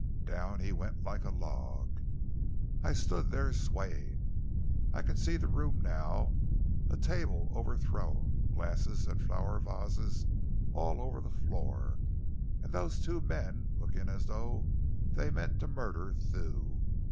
Down he went like a log. I stood there swaying. I can see the room now a table overthrown, glasses and flower vases all over the floor, and those two men looking as though they meant to murder Thew.